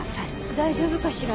大丈夫かしら。